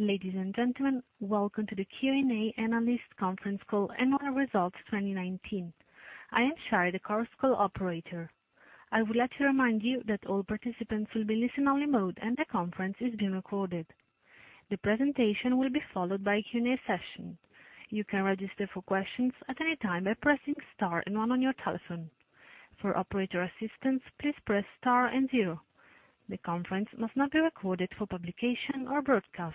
Ladies and gentlemen, welcome to the Q&A analyst conference call annual results 2019. I am Shire, the chorus call operator. I would like to remind you that all participants will be in listen-only mode, and the conference is being recorded. The presentation will be followed by a Q&A session. You can register for questions at any time by pressing star and one on your telephone. For operator assistance, please press star and zero. The conference must not be recorded for publication or broadcast.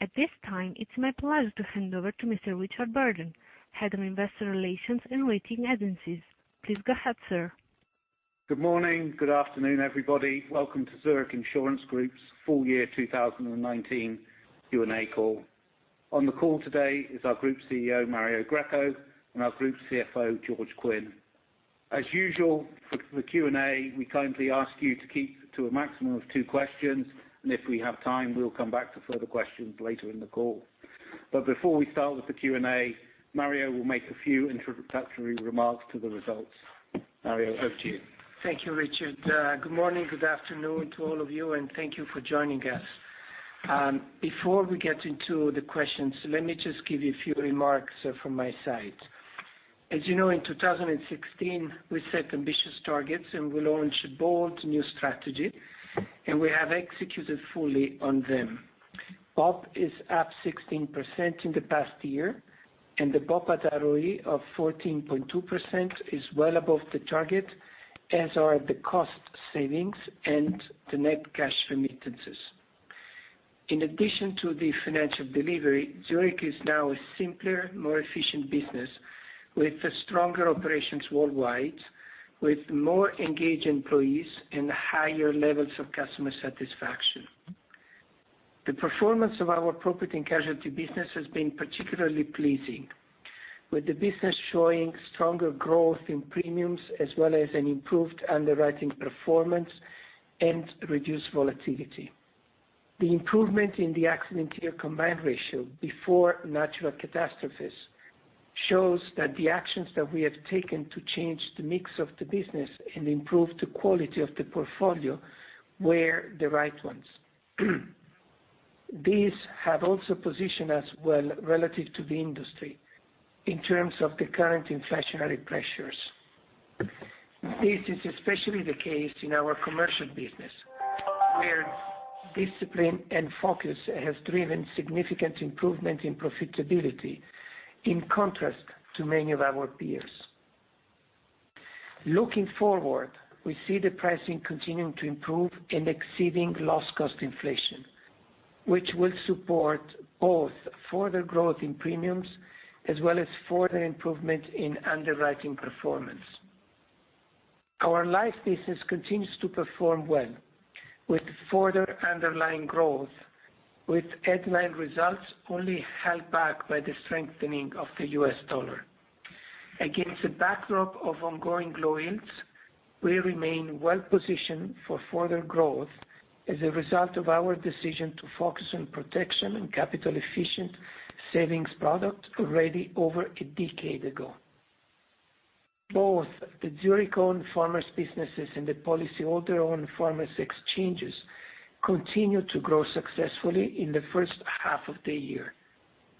At this time, it's my pleasure to hand over to Mr. Richard Burden, Head of Investor Relations and Rating Agencies. Please go ahead, sir. Good morning, good afternoon, everybody. Welcome to Zurich Insurance Group's full year 2019 Q&A call. On the call today is our Group CEO, Mario Greco, and our Group CFO, George Quinn. As usual, for the Q&A, we kindly ask you to keep to a maximum of two questions, and if we have time, we will come back to further questions later in the call. Before we start with the Q&A, Mario will make a few introductory remarks to the results. Mario, over to you. Thank you, Richard. Good morning, good afternoon to all of you, and thank you for joining us. Before we get into the questions, let me just give you a few remarks from my side. As you know, in 2016, we set ambitious targets, and we launched a bold new strategy, and we have executed fully on them. BOP is up 16% in the past year, and the BOP at ROE of 14.2% is well above the target, as are the cost savings and the net cash remittances. In addition to the financial delivery, Zurich is now a simpler, more efficient business with stronger operations worldwide, with more engaged employees and higher levels of customer satisfaction. The performance of our property and casualty business has been particularly pleasing, with the business showing stronger growth in premiums, as well as an improved underwriting performance and reduced volatility. The improvement in the accident year combined ratio before natural catastrophes shows that the actions that we have taken to change the mix of the business and improve the quality of the portfolio were the right ones. These have also positioned us well relative to the industry in terms of the current inflationary pressures. This is especially the case in our commercial business, where discipline and focus have driven significant improvement in profitability, in contrast to many of our peers. Looking forward, we see the pricing continuing to improve and exceeding loss cost inflation, which will support both further growth in premiums as well as further improvement in underwriting performance. Our life business continues to perform well, with further underlying growth, with headline results only held back by the strengthening of the U.S. dollar. Against a backdrop of ongoing low yields, we remain well-positioned for further growth as a result of our decision to focus on protection and capital-efficient savings product already over a decade ago. Both the Zurich own Farmers businesses and the policyholder own Farmers Exchanges continue to grow successfully in the first half of the year.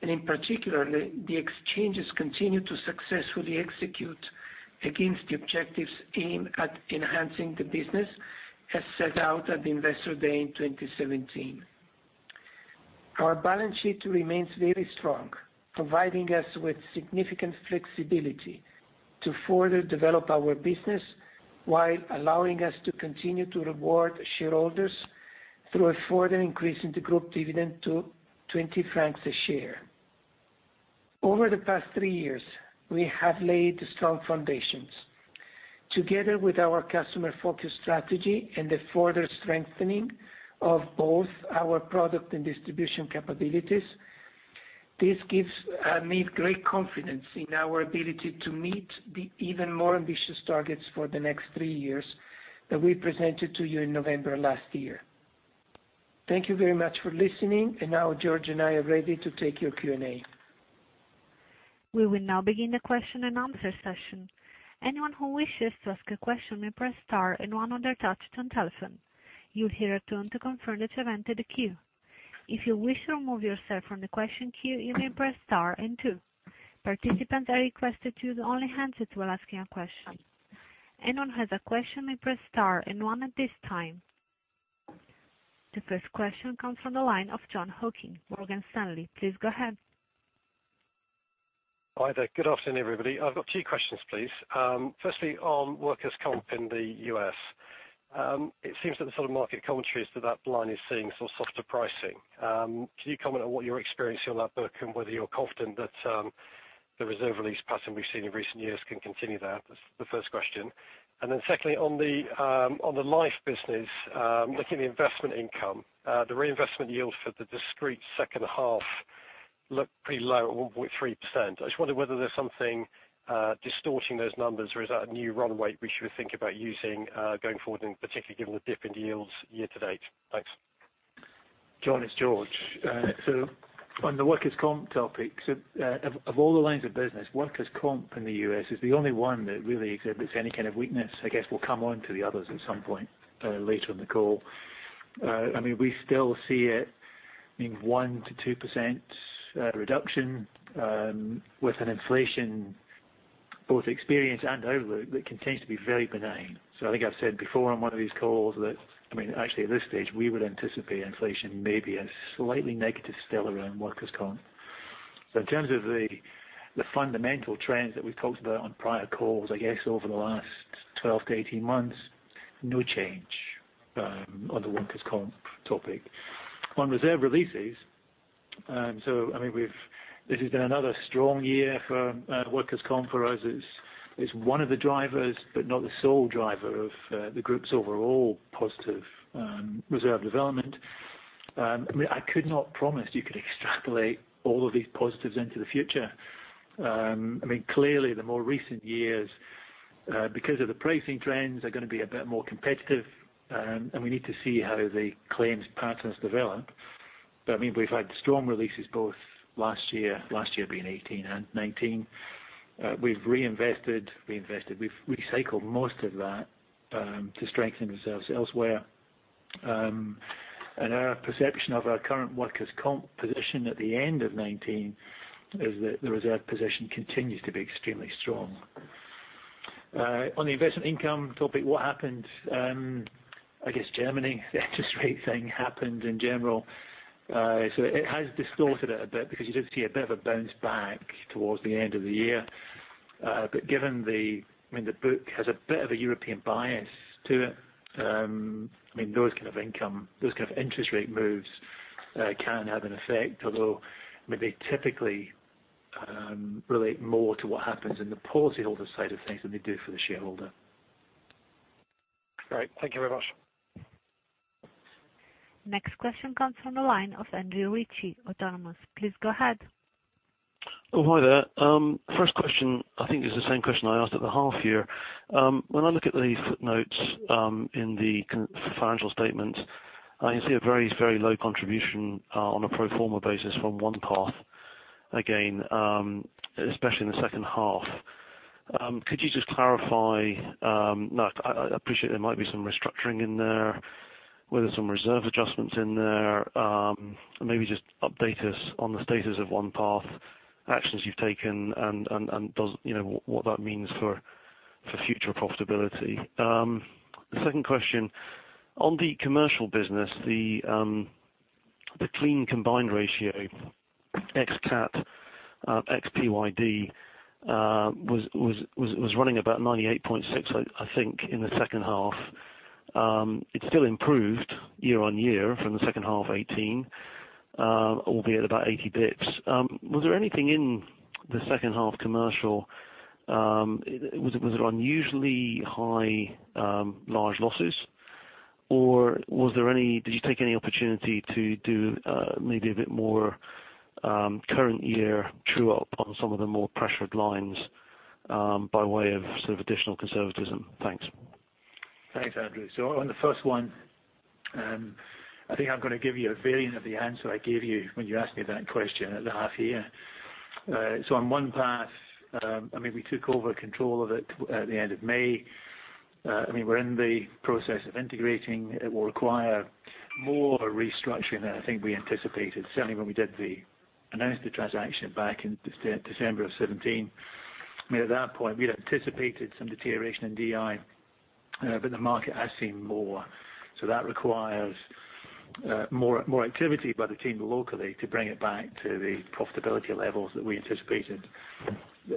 In particular, the Exchanges continue to successfully execute against the objectives aimed at enhancing the business as set out at the Investor Day in 2017. Our balance sheet remains very strong, providing us with significant flexibility to further develop our business while allowing us to continue to reward shareholders through a further increase in the group dividend to 20 francs a share. Over the past three years, we have laid strong foundations. Together with our customer-focused strategy and the further strengthening of both our product and distribution capabilities, this gives me great confidence in our ability to meet the even more ambitious targets for the next three years that we presented to you in November last year. Thank you very much for listening. Now George and I are ready to take your Q&A. We will now begin the question and answer session. Anyone who wishes to ask a question may press star and one on their touch-tone telephone. You'll hear a tone to confirm that you've entered the queue. If you wish to remove yourself from the question queue, you may press star and two. Participants are requested to use only handset while asking a question. Anyone has a question may press star and one at this time. The first question comes from the line of Jon Hocking, Morgan Stanley. Please go ahead. Hi there. Good afternoon, everybody. I've got two questions, please. Firstly, on workers' comp in the U.S. It seems that the sort of market commentary is that that line is seeing sort of softer pricing. Can you comment on what you're experiencing on that book and whether you're confident that the reserve release pattern we've seen in recent years can continue there? That's the first question. Secondly, on the life business, looking at the investment income, the reinvestment yields for the discrete second half look pretty low over 3%. I just wonder whether there's something distorting those numbers, or is that a new runway we should think about using going forward, and particularly given the dip in yields year to date? Thanks. Jon, it's George. On the workers' comp topic. Of all the lines of business, workers' comp in the U.S. is the only one that really exhibits any kind of weakness. I guess we'll come on to the others at some point later in the call. We still see it being 1%-2% reduction with an inflation, both experience and outlook, that continues to be very benign. I think I've said before on one of these calls that, actually at this stage, we would anticipate inflation may be a slightly negative tail around workers' comp. In terms of the fundamental trends that we've talked about on prior calls, I guess over the last 12-18 months, no change on the workers' comp topic. On reserve releases, this has been another strong year for workers' comp for us. It's one of the drivers, but not the sole driver of the group's overall positive reserve development. I could not promise you could extrapolate all of these positives into the future. Clearly the more recent years, because of the pricing trends, are going to be a bit more competitive, and we need to see how the claims patterns develop. We've had strong releases both last year, last year being 2018 and 2019. We've reinvested. We've recycled most of that to strengthen reserves elsewhere. Our perception of our current workers' comp position at the end of 2019 is that the reserve position continues to be extremely strong. On the investment income topic, what happened? I guess Germany, the interest rate thing happened in general. It has distorted it a bit because you did see a bit of a bounce back towards the end of the year. Given the book has a bit of a European bias to it, those kind of interest rate moves can have an effect, although maybe typically relate more to what happens in the policyholder side of things than they do for the shareholder. Great. Thank you very much. Next question comes from the line of Andrew Ritchie, Autonomous. Please go ahead. Oh, hi there. First question, I think is the same question I asked at the half year. When I look at the footnotes in the financial statement, I can see a very low contribution on a pro forma basis from OnePath again, especially in the second half. Could you just clarify? I appreciate there might be some restructuring in there, whether some reserve adjustments in there. Maybe just update us on the status of OnePath, actions you've taken and what that means for future profitability. The second question, on the commercial business, the clean combined ratio ex-cat, ex-PYD, was running about 98.6%, I think, in the second half. It still improved year-on-year from the second half 2018, albeit about 80 bps. Was there anything in the second half commercial, was it unusually high large losses, or did you take any opportunity to do maybe a bit more current year true up on some of the more pressured lines by way of sort of additional conservatism? Thanks. On the first one, I think I'm going to give you a variant of the answer I gave you when you asked me that question at the half year. On OnePath, we took over control of it at the end of May. We're in the process of integrating. It will require more restructuring than I think we anticipated, certainly when we announced the transaction back in December of 2017. At that point, we'd anticipated some deterioration in DI. The market has seen more. That requires more activity by the team locally to bring it back to the profitability levels that we anticipated.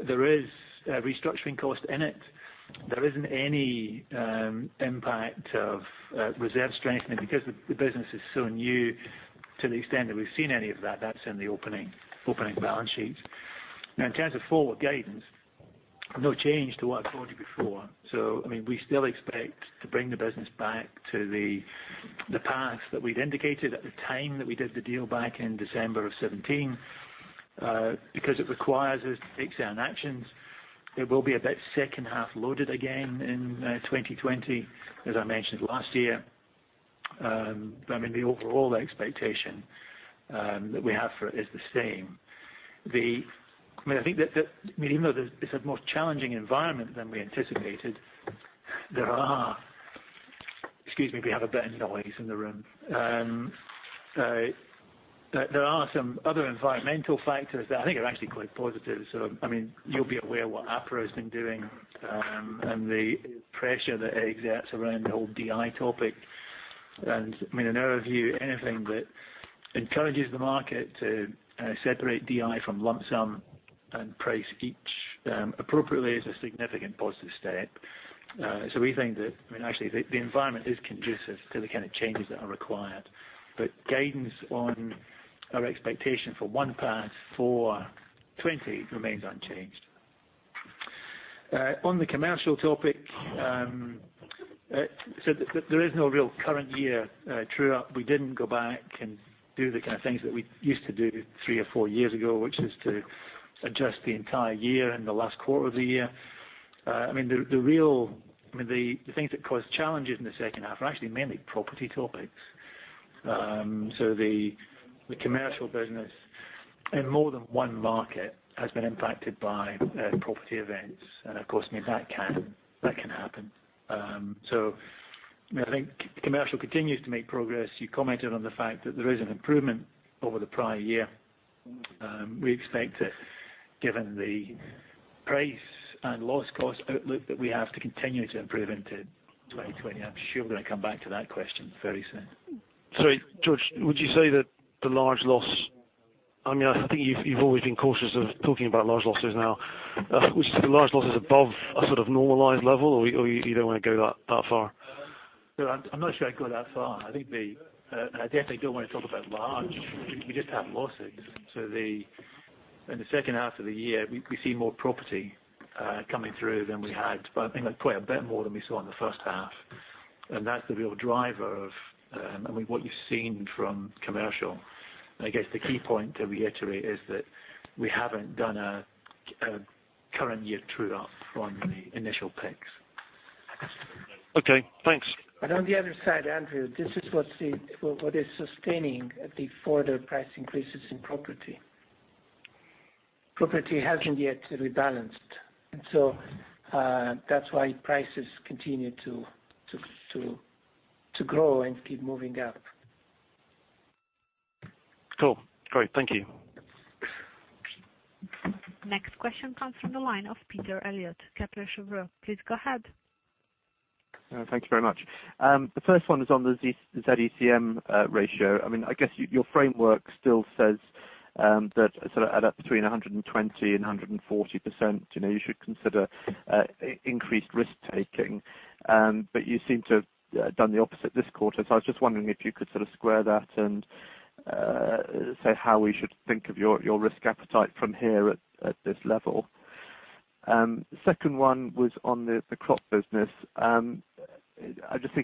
There is a restructuring cost in it. There isn't any impact of reserve strengthening because the business is so new to the extent that we've seen any of that's in the opening balance sheets. In terms of forward guidance, no change to what I told you before. We still expect to bring the business back to the path that we'd indicated at the time that we did the deal back in December of 2017. It requires us to take certain actions, it will be a bit second half loaded again in 2020, as I mentioned last year. The overall expectation that we have for it is the same. Even though it's a more challenging environment than we anticipated, there are Excuse me, we have a bit of noise in the room. There are some other environmental factors that I think are actually quite positive. You'll be aware what APRA has been doing, and the pressure that exerts around the whole DI topic. In our view, anything that encourages the market to separate DI from lump sum and price each appropriately is a significant positive step. We think that actually the environment is conducive to the kind of changes that are required. Guidance on our expectation for OnePath for 2020 remains unchanged. On the commercial topic, so there is no real current year true-up. We didn't go back and do the kind of things that we used to do three or four years ago, which is to adjust the entire year in the last quarter of the year. The things that cause challenges in the second half are actually mainly property topics. The commercial business in more than one market has been impacted by property events. Of course, that can happen. I think commercial continues to make progress. You commented on the fact that there is an improvement over the prior year. We expect it, given the price and loss cost outlook that we have, to continue to improve into 2020. I'm sure we're going to come back to that question very soon. Sorry, George, I think you've always been cautious of talking about large losses now. Would you say the large loss is above a sort of normalized level, or you don't want to go that far? No, I'm not sure I'd go that far. I definitely don't want to talk about large. We just have losses. In the second half of the year, we see more property coming through than we had. I think quite a bit more than we saw in the first half. That's the real driver of what you've seen from commercial. I guess the key point to reiterate is that we haven't done a current year true up on the initial picks. Okay, thanks. On the other side, Andrew, this is what is sustaining the further price increases in property. Property hasn't yet rebalanced, that's why prices continue to grow and keep moving up. Cool. Great. Thank you. Next question comes from the line of Peter Eliot, Kepler Cheuvreux. Please go ahead. Thank you very much. The first one is on the Z-ECM ratio. I guess your framework still says that at between 120% and 140%, you should consider increased risk taking. You seem to have done the opposite this quarter. I was just wondering if you could sort of square that and say how we should think of your risk appetite from here at this level? Second one was on the crop business.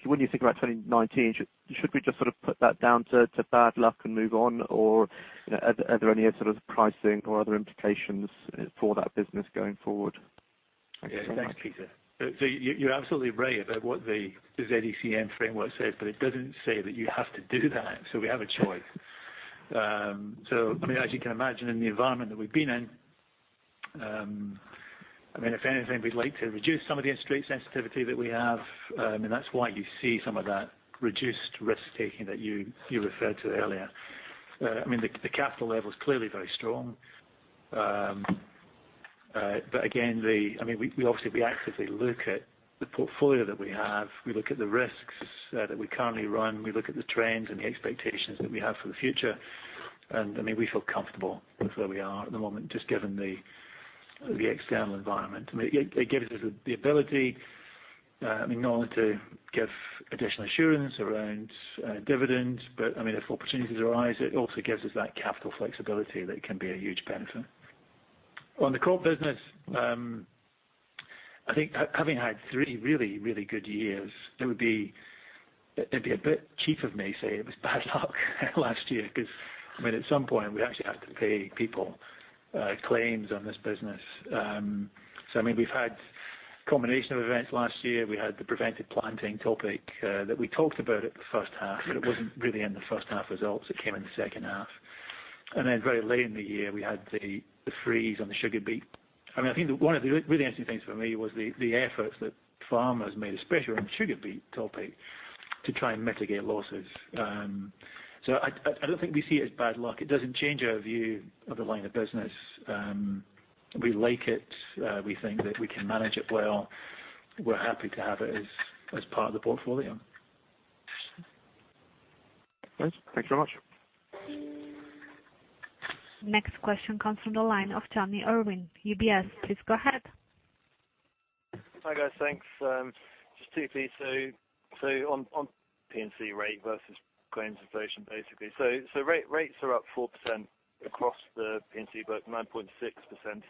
When you think about 2019, should we just sort of put that down to bad luck and move on, or are there any sort of pricing or other implications for that business going forward? Thanks, Peter. You're absolutely right about what the Z-ECM framework says, but it doesn't say that you have to do that. We have a choice. As you can imagine, in the environment that we've been in, if anything, we'd like to reduce some of the interest rate sensitivity that we have. That's why you see some of that reduced risk taking that you referred to earlier. The capital level is clearly very strong. Again, we obviously actively look at the portfolio that we have. We look at the risks that we currently run. We look at the trends and the expectations that we have for the future. We feel comfortable with where we are at the moment, just given the external environment. It gives us the ability, not only to give additional assurance around dividends, but if opportunities arise, it also gives us that capital flexibility that can be a huge benefit. On the crop business, I think having had three really good years, it'd be a bit cheap of me saying it was bad luck last year, because at some point we actually have to pay people claims on this business. We've had combination of events last year. We had the prevented planting topic that we talked about at the first half, but it wasn't really in the first half results. It came in the second half. Very late in the year, we had the freeze on the sugar beet. I think one of the really interesting things for me was the efforts that Farmers made, especially around the sugar beet topic, to try and mitigate losses. I don't think we see it as bad luck. It doesn't change our view of the line of business. We like it. We think that we can manage it well. We're happy to have it as part of the portfolio. Thanks very much. Next question comes from the line of Jonny Urwin, UBS. Please go ahead. Hi, guys. Thanks. Just two, please. On P&C rate versus claims inflation, basically. Rates are up 4% across the P&C book, 9.6%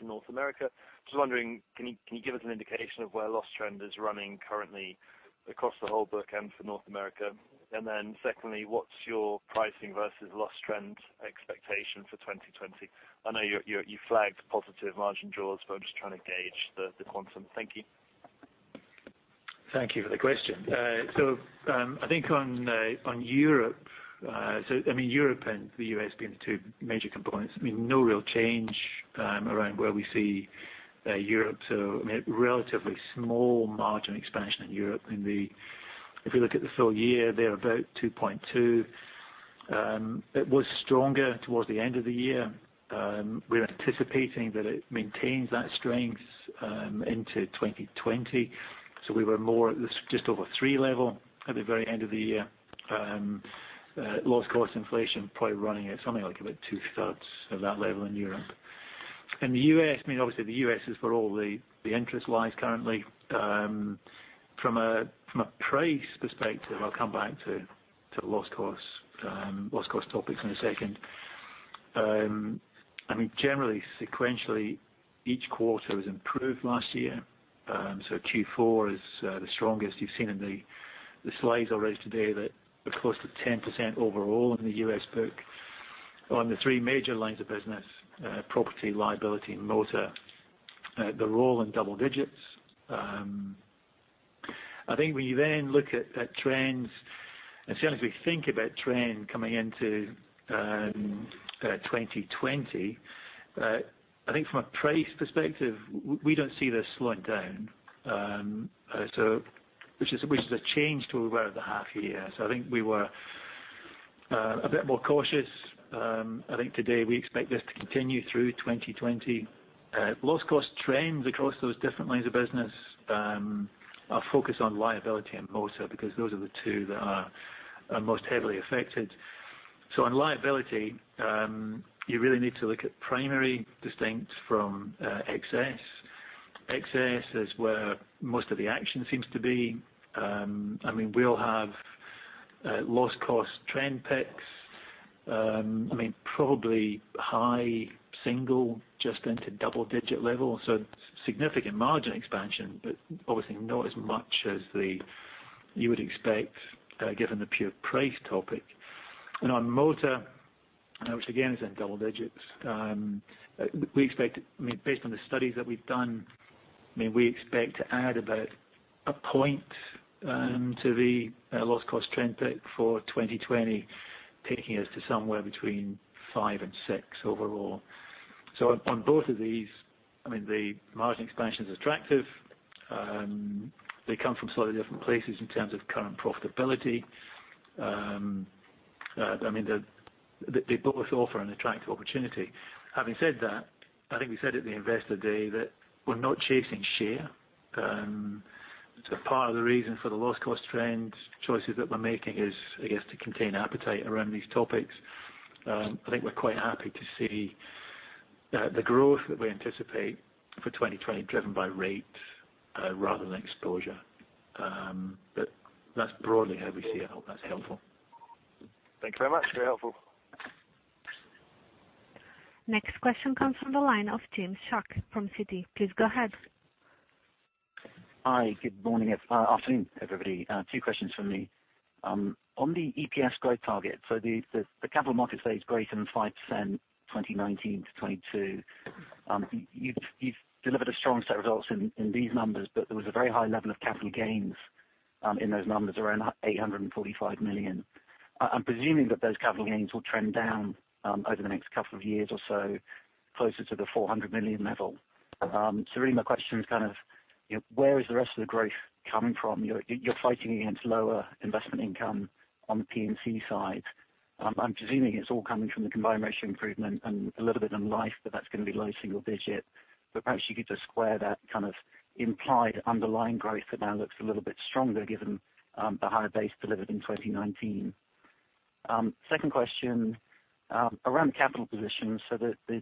in North America. Just wondering, can you give us an indication of where loss trend is running currently across the whole book and for North America? Secondly, what's your pricing versus loss trend expectation for 2020? I know you flagged positive margin draws, but I'm just trying to gauge the quantum. Thank you. Thank you for the question. I think on Europe and the U.S. being the two major components, no real change around where we see Europe. Relatively small margin expansion in Europe. If you look at the full year, they're about 2.2%. It was stronger towards the end of the year. We're anticipating that it maintains that strength into 2020. We were more at just over three level at the very end of the year. Loss cost inflation probably running at something like about 2/3 of that level in Europe. The U.S., obviously the U.S. is where all the interest lies currently. From a price perspective, I'll come back to loss cost topics in a second. Generally, sequentially, each quarter was improved last year. Q4 is the strongest. You've seen in the slides I raised today that we're close to 10% overall in the U.S. book. On the three major lines of business, property, liability, and motor, they're all in double digits. I think when you then look at trends, as soon as we think about trend coming into 2020, I think from a price perspective, we don't see this slowing down. Which is a change to where we were at the half year. I think we were a bit more cautious. I think today we expect this to continue through 2020. Loss cost trends across those different lines of business, our focus on liability and motor, because those are the two that are most heavily affected. On liability, you really need to look at primary distinct from excess. Excess is where most of the action seems to be. We all have loss cost trend picks. Probably high single, just into double-digit level. Significant margin expansion, but obviously not as much as you would expect given the pure price topic. On motor, which again is in double digits, based on the studies that we've done, we expect to add about a point to the loss cost trend pick for 2020, taking us to somewhere between 5% and 6% overall. On both of these, the margin expansion is attractive. They come from slightly different places in terms of current profitability. They both offer an attractive opportunity. Having said that, I think we said at the Investor Day that we're not chasing share. Part of the reason for the loss cost trend choices that we're making is, I guess, to contain appetite around these topics. I think we're quite happy to see the growth that we anticipate for 2020 driven by rate rather than exposure. That's broadly how we see it. I hope that's helpful. Thank you very much. Very helpful. Next question comes from the line of James Shuck from Citi. Please go ahead. Hi. Good morning, afternoon, everybody. Two questions from me. On the EPS growth target, the capital market stage greater than 5% 2019 to 2022. You've delivered a strong set of results in these numbers, there was a very high level of capital gains in those numbers, around $845 million. I'm presuming that those capital gains will trend down over the next couple of years or so, closer to the $400 million level. Really my question is where is the rest of the growth coming from? You're fighting against lower investment income on the P&C side. I'm presuming it's all coming from the combined ratio improvement and a little bit on life, that's going to be low single digit. Perhaps you could just square that implied underlying growth that now looks a little bit stronger given the higher base delivered in 2019. Second question, around capital position, the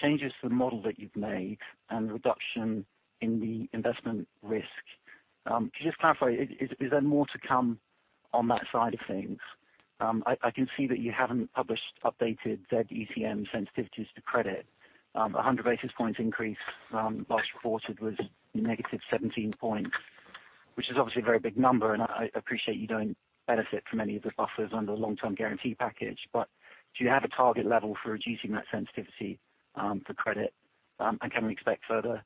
changes to the model that you've made and the reduction in the investment risk. Could you just clarify, is there more to come on that side of things? I can see that you haven't published updated Z-ECM sensitivities to credit. 100 basis points increase last reported was negative 17 points, which is obviously a very big number, and I appreciate you don't benefit from any of the buffers under the long-term guarantee package. Do you have a target level for reducing that sensitivity for credit, and can we expect further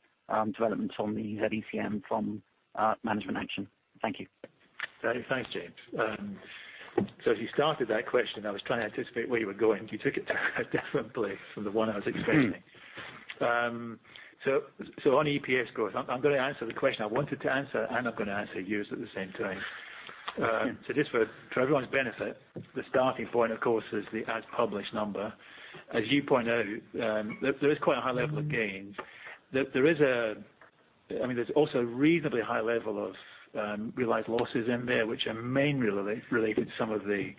developments on the Z-ECM from management action? Thank you. Thanks, James. As you started that question, I was trying to anticipate where you were going. You took it to a different place from the one I was expecting. On EPS growth, I'm going to answer the question I wanted to answer, and I'm going to answer yours at the same time. Just for everyone's benefit, the starting point, of course, is the as published number. As you point out, there is quite a high level of gains. There's also a reasonably high level of realized losses in there, which are mainly related to some of the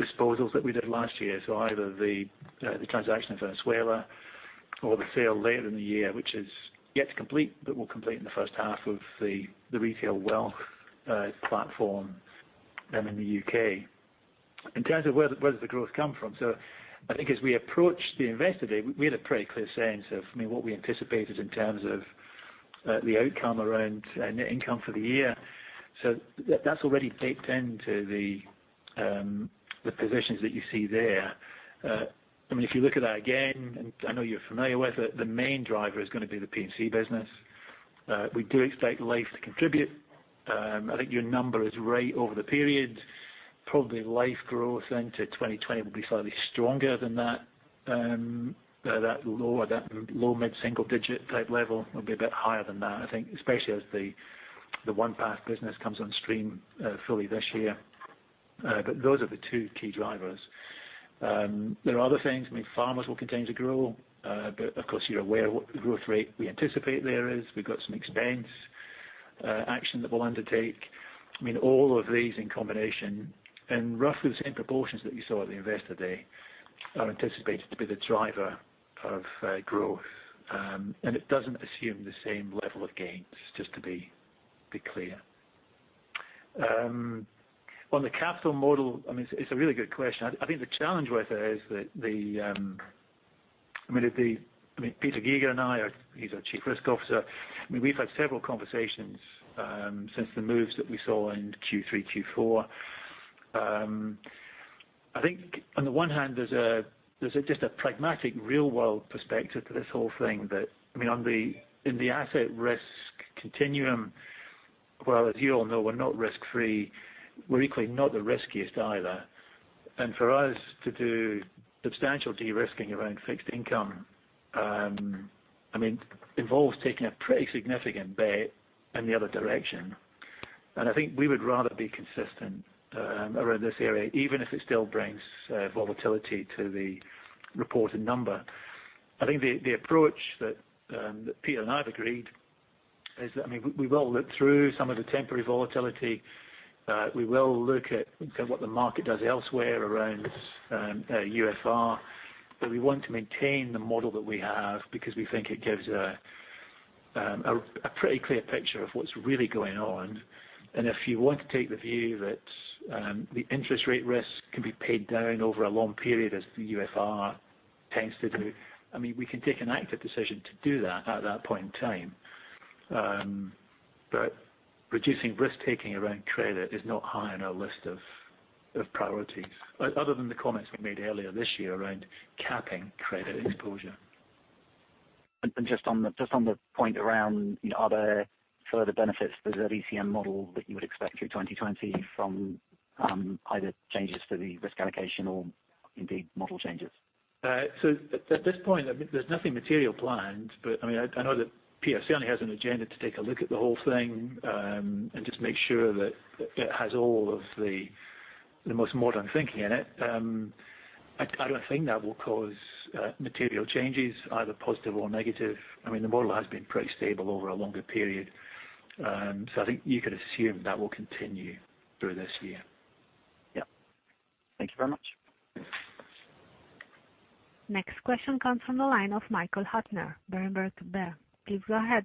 disposals that we did last year. Either the transaction in Venezuela or the sale later in the year, which is yet to complete but will complete in the first half of the retail wealth platform in the U.K. In terms of where does the growth come from, I think as we approached the Investor Day, we had a pretty clear sense of what we anticipated in terms of the outcome around net income for the year. That's already baked into the positions that you see there. If you look at that again, I know you're familiar with it, the main driver is going to be the P&C business. We do expect life to contribute. I think your number is right over the period. Probably life growth into 2020 will be slightly stronger than that low or that low mid-single digit type level. It will be a bit higher than that, I think, especially as the OnePath business comes on stream fully this year. Those are the two key drivers. There are other things. Farmers will continue to grow. Of course, you're aware what the growth rate we anticipate there is. We've got some expense action that we'll undertake. All of these in combination, in roughly the same proportions that you saw at the Investor Day, are anticipated to be the driver of growth. It doesn't assume the same level of gains, just to be clear. On the capital model, it's a really good question. The challenge with it is that the Peter Giger and I, he's our Chief Risk Officer, we've had several conversations since the moves that we saw in Q3, Q4. On the one hand, there's just a pragmatic real-world perspective to this whole thing that in the asset risk continuum, while as you all know, we're not risk free, we're equally not the riskiest either. For us to do substantial de-risking around fixed income involves taking a pretty significant bet in the other direction. I think we would rather be consistent around this area, even if it still brings volatility to the reported number. I think the approach that Peter and I have agreed is that we will look through some of the temporary volatility. We will look at what the market does elsewhere around UFR, but we want to maintain the model that we have because we think it gives a pretty clear picture of what's really going on. If you want to take the view that the interest rate risk can be paid down over a long period as the UFR tends to do, we can take an active decision to do that at that point in time. Reducing risk taking around credit is not high on our list of priorities. Other than the comments we made earlier this year around capping credit exposure. Just on the point around are there further benefits to the Z-ECM model that you would expect through 2020 from either changes to the risk allocation or indeed model changes? At this point, there's nothing material planned. I know that PRC only has an agenda to take a look at the whole thing, and just make sure that it has all of the most modern thinking in it. I don't think that will cause material changes, either positive or negative. The model has been pretty stable over a longer period. I think you could assume that will continue through this year. Yeah. Thank you very much. Next question comes from the line of Michael Huttner, Berenberg Bank. Please go ahead.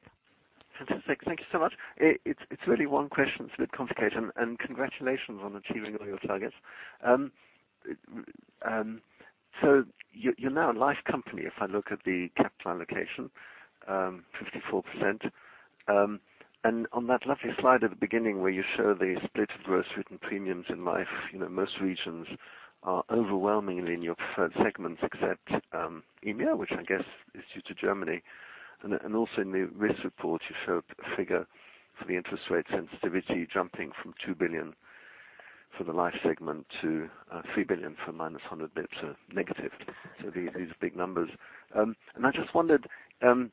Fantastic. Thank you so much. It's really one question. It's a bit complicated, congratulations on achieving all your targets. You're now a life company, if I look at the capital allocation, 54%. On that lovely slide at the beginning where you show the split of gross written premiums in life, most regions are overwhelmingly in your preferred segments except EMEA, which I guess is due to Germany. Also, in the risk report, you show a figure for the interest rate sensitivity jumping from $2 billion for the life segment to $3 billion for -100 bps, so negative. These are big numbers. I just wondered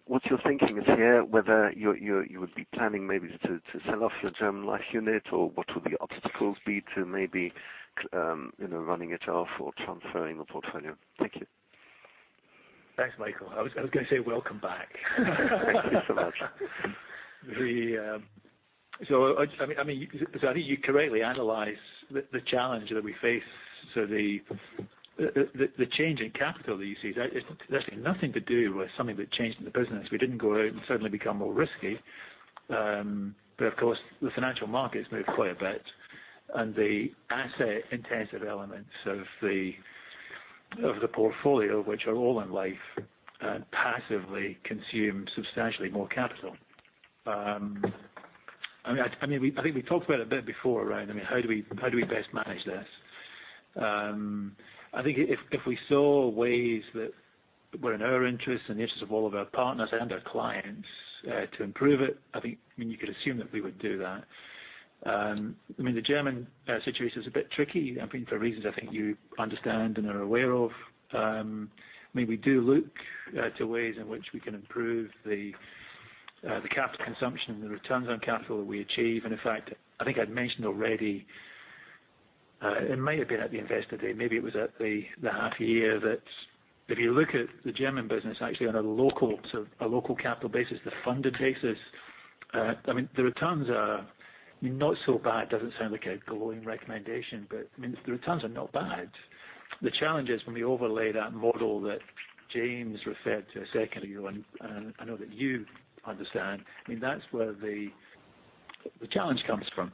what your thinking is here, whether you would be planning maybe to sell off your German Life unit, or what would the obstacles be to maybe running it off or transferring the portfolio. Thank you. Thanks, Michael. I was going to say welcome back. Thank you so much. I think you correctly analyze the challenge that we face. The change in capital that you see, that is actually nothing to do with something that changed in the business. We didn't go out and suddenly become more risky. Of course, the financial markets moved quite a bit and the asset intensive elements of the portfolio, which are all in life, passively consume substantially more capital. I think we talked about it a bit before around how do we best manage this? I think if we saw ways that were in our interest and the interest of all of our partners and our clients to improve it, I think you could assume that we would do that. The German situation is a bit tricky. For reasons I think you understand and are aware of. We do look to ways in which we can improve the capital consumption and the returns on capital that we achieve. In fact, I think I'd mentioned already, it may have been at the Investor Day, maybe it was at the half year, that if you look at the German business actually on a local capital basis, the funded basis, the returns are not so bad. Doesn't sound like a glowing recommendation, but the returns are not bad. The challenge is when we overlay that model that James referred to a second ago, and I know that you understand, that's where the challenge comes from.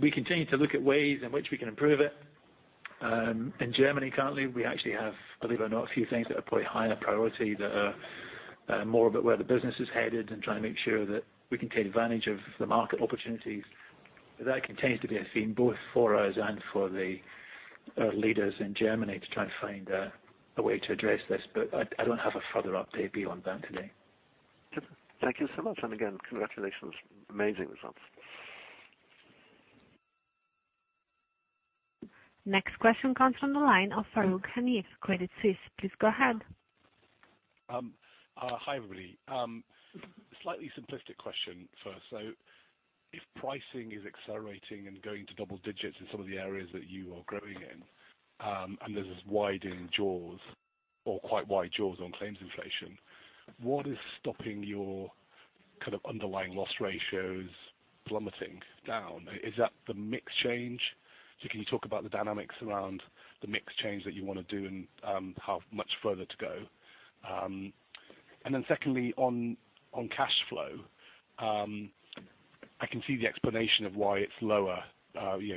We continue to look at ways in which we can improve it. In Germany, currently, we actually have, believe it or not, a few things that are probably higher priority, that are more about where the business is headed and trying to make sure that we can take advantage of the market opportunities. That continues to be a theme both for us and for the leaders in Germany to try to find a way to address this. I don't have a further update beyond that today. Thank you so much. Again, congratulations. Amazing results. Next question comes from the line of Farooq Hanif, Credit Suisse. Please go ahead. Hi, everybody. Slightly simplistic question first. If pricing is accelerating and going to double digits in some of the areas that you are growing in, and there's this widening jaws or quite wide jaws on claims inflation, what is stopping your underlying loss ratios plummeting down? Is that the mix change? Can you talk about the dynamics around the mix change that you want to do and how much further to go? Secondly, on cash flow. I can see the explanation of why it's lower,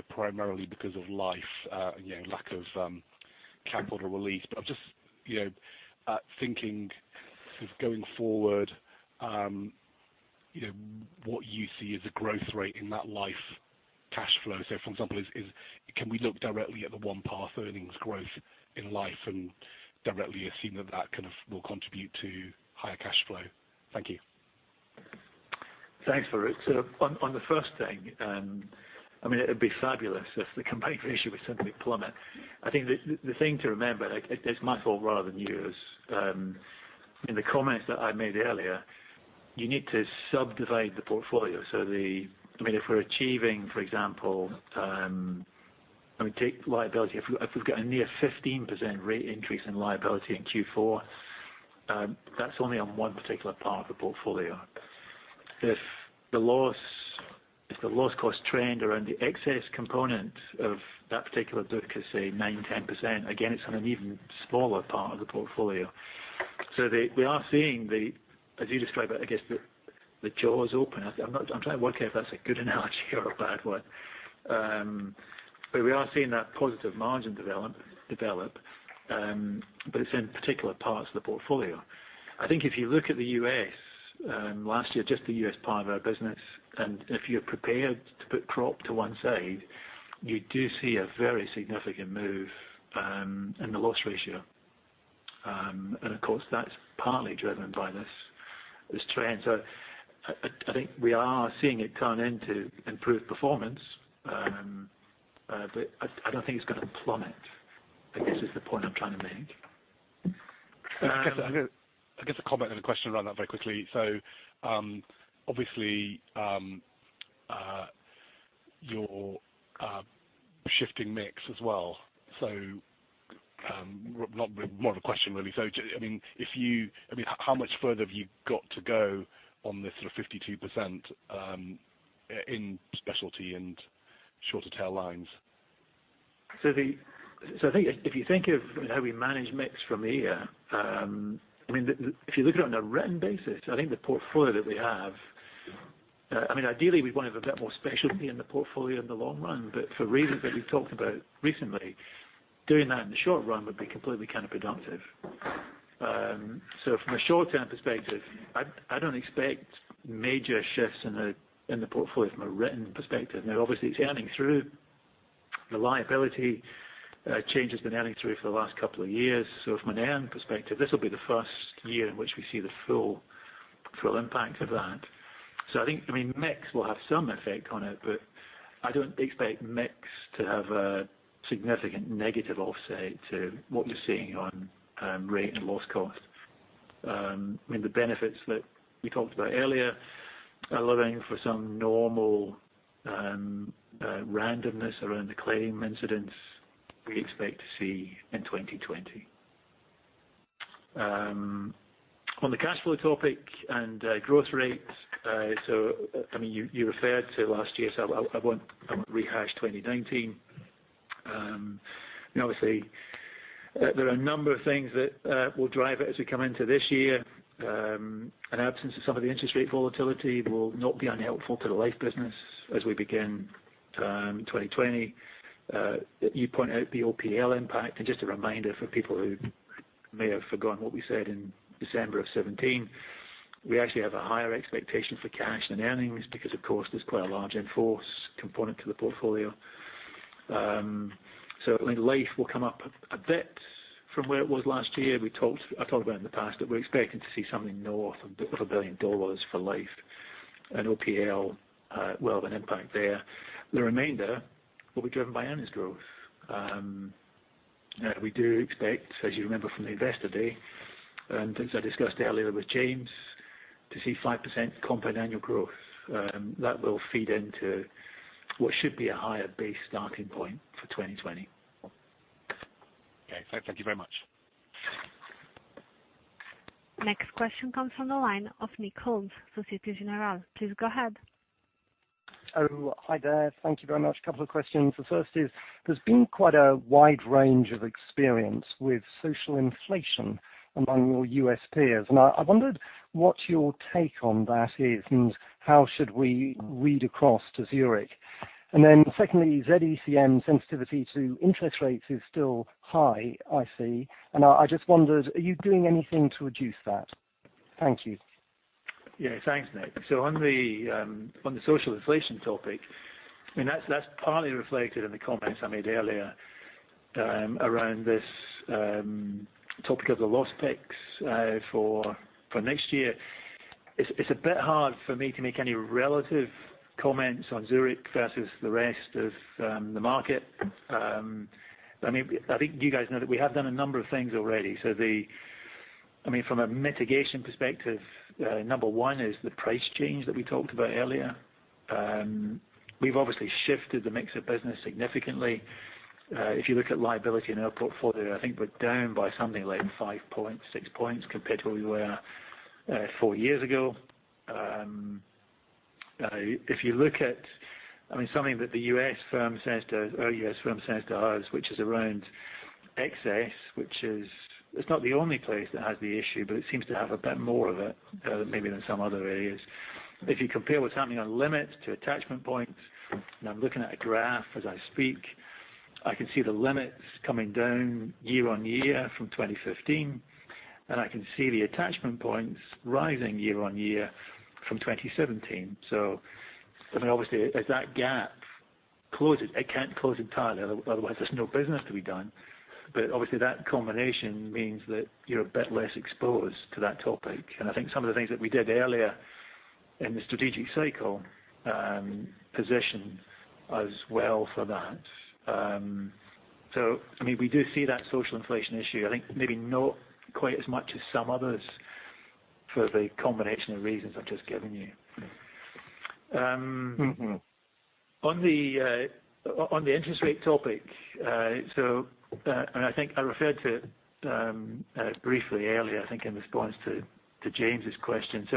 primarily because of life, lack of capital release. I'm just thinking going forward, what you see as a growth rate in that life cash flow. For example, can we look directly at the OnePath earnings growth in life and directly assume that that will contribute to higher cash flow? Thank you. Thanks, Farooq. On the first thing, it would be fabulous if the combined ratio would simply plummet. I think the thing to remember, it's my fault rather than yours. In the comments that I made earlier, you need to subdivide the portfolio. If we've got a near 15% rate increase in liability in Q4, that's only on one particular part of the portfolio. If the loss cost trend around the excess component of that particular book is say, 9%, 10%, again, it's on an even smaller part of the portfolio. We are seeing the, as you describe it, I guess the jaws open. I'm trying to work out if that's a good analogy or a bad one. We are seeing that positive margin develop, but it's in particular parts of the portfolio. I think if you look at the U.S., last year, just the U.S. part of our business, if you're prepared to put crop to one side, you do see a very significant move in the loss ratio. Of course, that's partly driven by this trend. I think we are seeing it turn into improved performance. I don't think it's going to plummet, I guess is the point I'm trying to make. I guess a comment and a question around that very quickly. Obviously, you're shifting mix as well. Not a question, really. How much further have you got to go on the sort of 52% in specialty and shorter tail lines? If you think of how we manage mix from here, if you look at it on a written basis, I think the portfolio that we have, ideally, we'd want to have a bit more specialty in the portfolio in the long run. For reasons that we've talked about recently, doing that in the short run would be completely counterproductive. From a short-term perspective, I don't expect major shifts in the portfolio from a written perspective. Now obviously, it's earning through the liability changes it's been earning through for the last couple of years. From an earn perspective, this will be the first year in which we see the full impact of that. I think mix will have some effect on it, but I don't expect mix to have a significant negative offset to what we're seeing on rate and loss cost. The benefits that we talked about earlier, allowing for some normal randomness around the claim incidents, we expect to see in 2020. On the cash flow topic and growth rates, you referred to last year, so I won't rehash 2019. Obviously, there are a number of things that will drive it as we come into this year. An absence of some of the interest rate volatility will not be unhelpful to the life business as we begin 2020. You point out the OPL impact, and just a reminder for people who may have forgotten what we said in December of 2017, we actually have a higher expectation for cash than earnings because, of course, there's quite a large in-force component to the portfolio. Life will come up a bit from where it was last year. I've talked about in the past that we're expecting to see something north of $1 billion for life and OPL will have an impact there. The remainder will be driven by earnings growth. We do expect, as you remember from the Investor Day, and as I discussed earlier with James, to see 5% compound annual growth. That will feed into what should be a higher base starting point for 2020. Okay. Thank you very much. Next question comes from the line of Nick Holmes, Societe Generale. Please go ahead. Oh, hi there. Thank you very much. Couple of questions. The first is, there's been quite a wide range of experience with social inflation among your U.S. peers, and I wondered what your take on that is, and how should we read across to Zurich? Then secondly, Z-ECM sensitivity to interest rates is still high, I see. I just wondered, are you doing anything to reduce that? Thank you. Yeah, thanks, Nick. On the social inflation topic, that's partly reflected in the comments I made earlier, around this topic of the loss picks for next year. It's a bit hard for me to make any relative comments on Zurich versus the rest of the market. I think you guys know that we have done a number of things already. From a mitigation perspective, number one is the price change that we talked about earlier. We've obviously shifted the mix of business significantly. If you look at liability in our portfolio, I think we're down by something like 5 points, 6 points compared to where we were four years ago. U.S. firm says to us, which is around excess, which is, it's not the only place that has the issue, but it seems to have a bit more of it maybe than some other areas. If you compare what's happening on limits to attachment points, and I'm looking at a graph as I speak, I can see the limits coming down year-on-year from 2015, and I can see the attachment points rising year-on-year from 2017. Obviously as that gap closes, it can't close entirely, otherwise there's no business to be done. Obviously that combination means that you're a bit less exposed to that topic. I think some of the things that we did earlier in the strategic cycle position us well for that. We do see that social inflation issue, I think maybe not quite as much as some others for the combination of reasons I've just given you. On the interest rate topic, and I think I referred to it briefly earlier, I think in response to James's question.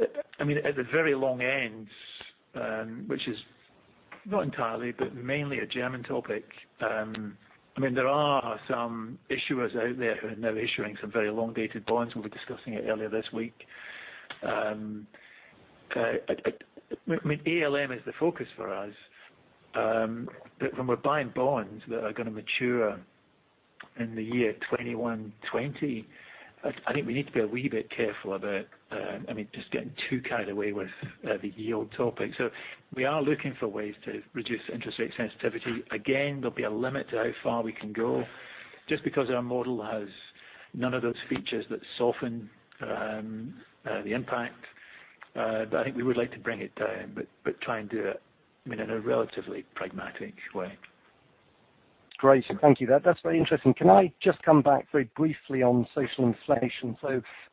At the very long end, which is not entirely but mainly a German topic, there are some issuers out there who are now issuing some very long-dated bonds. We were discussing it earlier this week. ALM is the focus for us, but when we're buying bonds that are going to mature in the year 2120, I think we need to be a wee bit careful about just getting too carried away with the yield topic. We are looking for ways to reduce interest rate sensitivity. Again, there'll be a limit to how far we can go, just because our model has none of those features that soften the impact. I think we would like to bring it down, but try and do it in a relatively pragmatic way. Great. Thank you. That's very interesting. Can I just come back very briefly on social inflation?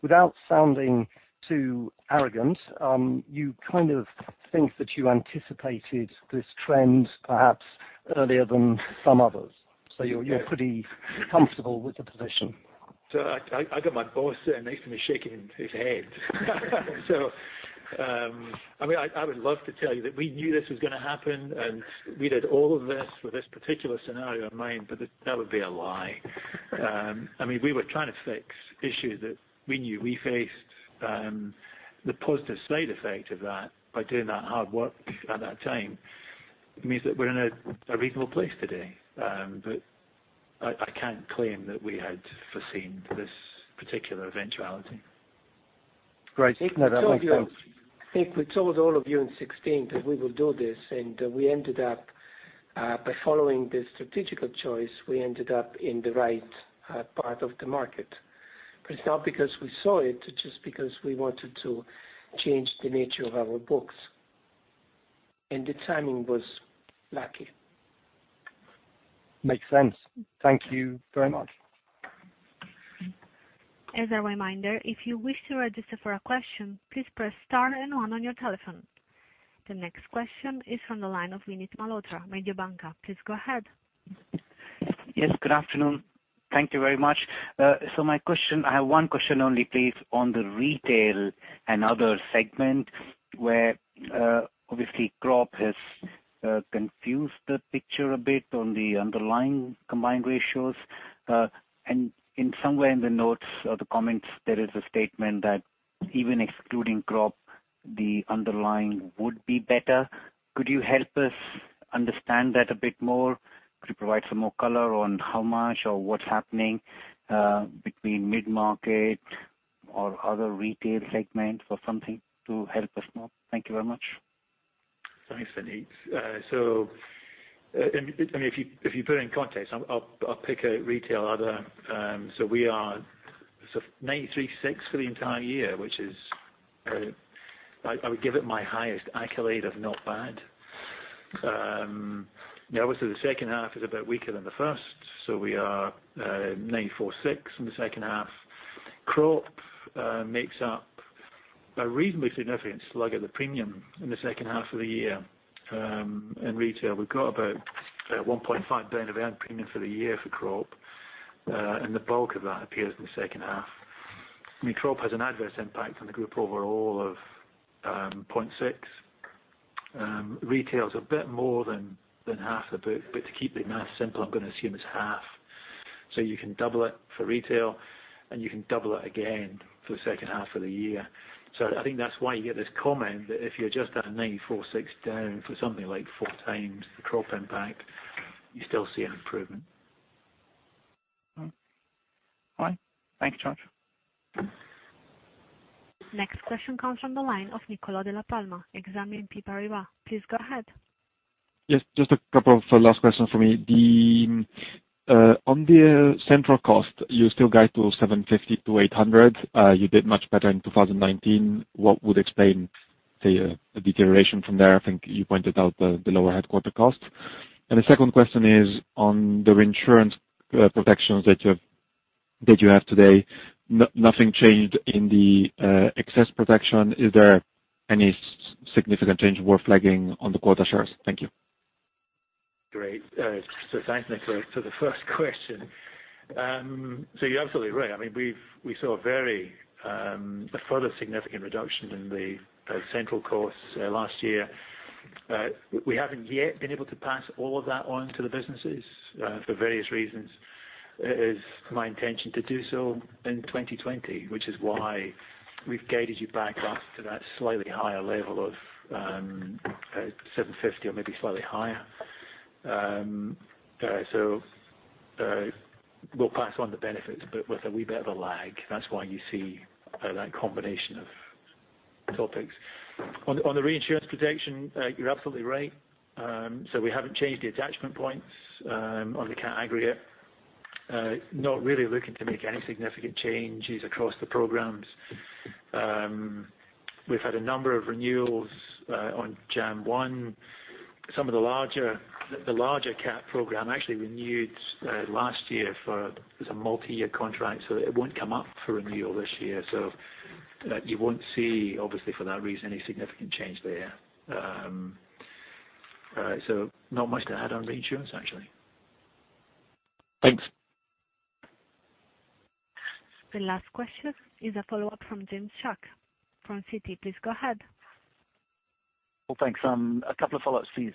Without sounding too arrogant, you kind of think that you anticipated this trend perhaps earlier than some others. Yeah. You're pretty comfortable with the position. I got my boss sitting next to me shaking his head. I would love to tell you that we knew this was going to happen, and we did all of this with this particular scenario in mind, but that would be a lie. We were trying to fix issues that we knew we faced. The positive side effect of that, by doing that hard work at that time, means that we're in a reasonable place today. I can't claim that we had foreseen this particular eventuality. Great. No, that makes sense. I think we told all of you in 2016 that we will do this, we ended up, by following the strategic choice, we ended up in the right part of the market. It's not because we saw it's just because we wanted to change the nature of our books. The timing was lucky. Makes sense. Thank you very much. As a reminder, if you wish to register for a question, please press star and one on your telephone. The next question is from the line of Vinit Malhotra, Mediobanca. Please go ahead. Yes, good afternoon. Thank you very much. My question, I have one question only, please, on the retail and other segment, where obviously crop has confused the picture a bit on the underlying combined ratios. Somewhere in the notes or the comments, there is a statement that even excluding crop, the underlying would be better. Could you help us understand that a bit more? Could you provide some more color on how much or what's happening between mid-market or other retail segments or something to help us more? Thank you very much. Thanks, Vinit. If you put it in context, I'll pick a retail other. We are 93.6% for the entire year, which is, I would give it my highest accolade of not bad. Obviously, the second half is a bit weaker than the first, so we are 94.6% in the second half. crop makes up a reasonably significant slug of the premium in the second half of the year. In retail, we've got about $1.5 billion of earned premium for the year for crop, and the bulk of that appears in the second half. Crop has an adverse impact on the group overall of 0.6%. retail is a bit more than half the book, but to keep the math simple, I'm going to assume it's half. You can double it for retail, and you can double it again for the second half of the year. I think that's why you get this comment that if you adjust that 94.6% down for something like 4x the crop impact, you still see an improvement. All right. Thank you, George. Next question comes from the line of Niccolo Dalla Palma, Exane BNP Paribas. Please go ahead. Just a couple of last questions for me. On the central cost, you still guide to $750 million-$800 million. You did much better in 2019. What would explain the deterioration from there? I think you pointed out the lower headquarter cost. The second question is on the reinsurance protections that you have today. Nothing changed in the excess protection. Is there any significant change worth flagging on the quota share? Thank you. Great. Thanks, Niccolo, for the first question. You're absolutely right. We saw a further significant reduction in the central costs last year. We haven't yet been able to pass all of that on to the businesses for various reasons. It is my intention to do so in 2020, which is why we've guided you back up to that slightly higher level of $750 million or maybe slightly higher. We'll pass on the benefits, but with a wee bit of a lag. That's why you see that combination of topics. On the reinsurance protection, you're absolutely right. We haven't changed the attachment points on the catastrophe aggregate. Not really looking to make any significant changes across the programs. We've had a number of renewals on January 1. The larger cat program actually renewed last year. There's a multi-year contract, so it won't come up for renewal this year. You won't see, obviously for that reason, any significant change there. Not much to add on reinsurance, actually. Thanks. The last question is a follow-up from James Shuck from Citi. Please go ahead. Well, thanks. A couple of follow-ups, please.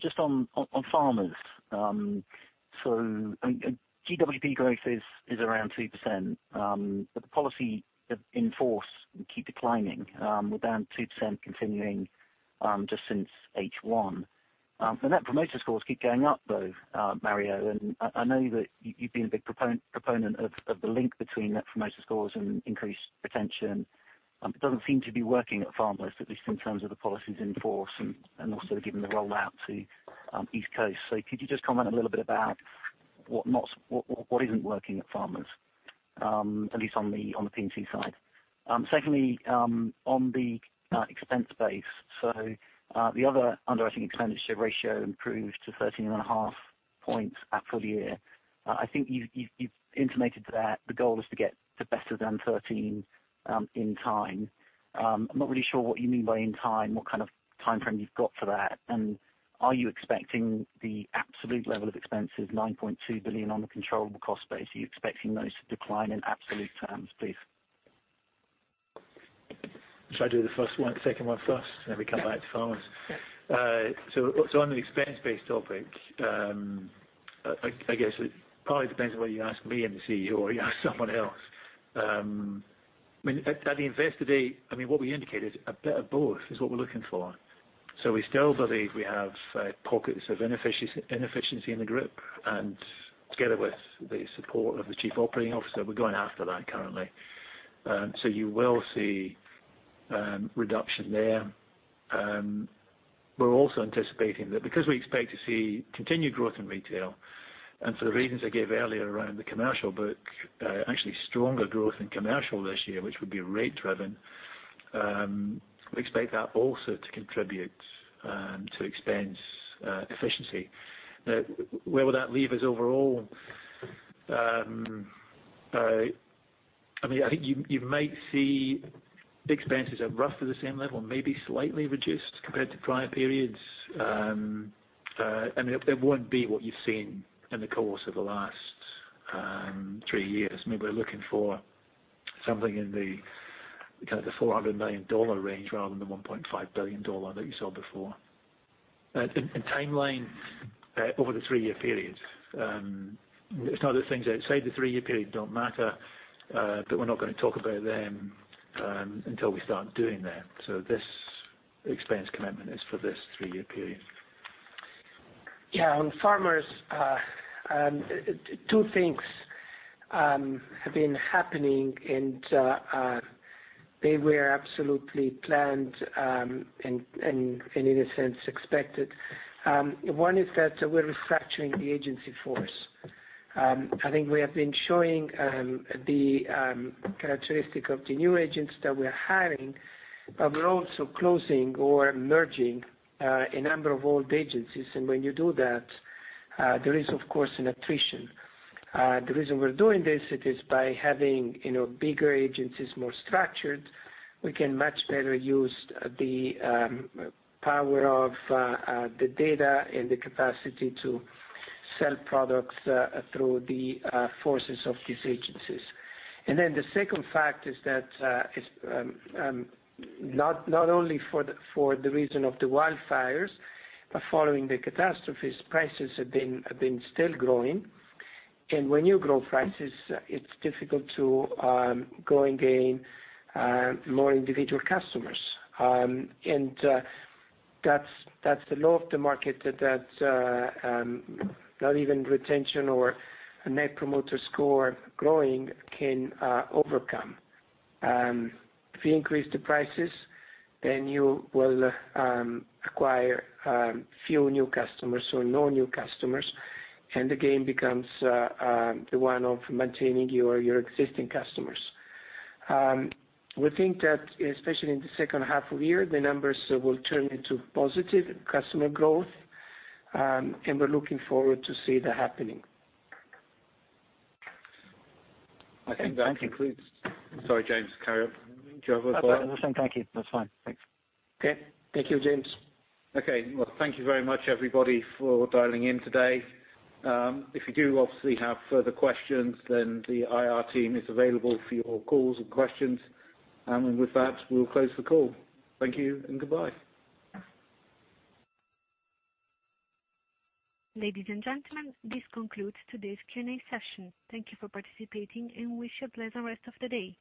Just on Farmers. GWP growth is around 2%, but the policy in force keep declining, we're down 2% continuing just since H1. The Net Promoter Scores keep going up, though, Mario, and I know that you've been a big proponent of the link between Net Promoter Scores and increased retention. It doesn't seem to be working at Farmers, at least in terms of the policies in force and also given the rollout to East Coast. Could you just comment a little bit about what isn't working at Farmers, at least on the P&C side? Secondly, on the expense base. The other underwriting expenditure ratio improved to 13.5 points at full year. I think you've intimated that the goal is to get to better than 13 points in time. I'm not really sure what you mean by in time, what kind of timeframe you've got for that, and are you expecting the absolute level of expenses, $9.2 billion on the controllable cost base, are you expecting those to decline in absolute terms, please? Should I do the second one first, then we come back to Farmers? Yeah. On the expense base topic, I guess it probably depends on whether you ask me and the CEO or you ask someone else. At Investor Day, what we indicated, a bit of both is what we're looking for. We still believe we have pockets of inefficiency in the group, and together with the support of the Chief Operating Officer, we're going after that currently. You will see reduction there. We're also anticipating that because we expect to see continued growth in retail, and for the reasons I gave earlier around the commercial book, actually stronger growth in commercial this year, which would be rate driven. We expect that also to contribute to expense efficiency. Where will that leave us overall? I think you might see big expenses at roughly the same level, maybe slightly reduced compared to prior periods. It won't be what you've seen in the course of the last three years. Maybe we're looking for something in the kind of the $400 million range rather than the $1.5 billion that you saw before. In timeline over the three year period. It's not that things outside the three year period don't matter, but we're not going to talk about them until we start doing them. This expense commitment is for this three year period. Yeah. On Farmers, two things have been happening, and they were absolutely planned, and in a sense, expected. One is that we're restructuring the agency force. I think we have been showing the characteristic of the new agents that we're hiring, but we're also closing or merging a number of old agencies. When you do that, there is of course an attrition. The reason we're doing this, it is by having bigger agencies, more structured, we can much better use the power of the data and the capacity to sell products through the forces of these agencies. The second fact is that, not only for the reason of the wildfires, but following the catastrophes, prices have been still growing. When you grow prices, it's difficult to go and gain more individual customers. That's the law of the market that not even retention or a Net Promoter Score growing can overcome. If you increase the prices, then you will acquire few new customers or no new customers, and the game becomes the one of maintaining your existing customers. We think that especially in the second half of the year, the numbers will turn into positive customer growth, and we're looking forward to see that happening. I think that concludes Sorry, James, carry on. Do you have a follow up? That's all right. Listen, thank you. That's fine. Thanks. Okay. Thank you, James. Okay. Well, thank you very much, everybody, for dialing in today. If you do obviously have further questions, then the IR team is available for your calls and questions. With that, we'll close the call. Thank you and goodbye. Ladies and gentlemen, this concludes today's Q&A session. Thank you for participating, and wish you a pleasant rest of the day.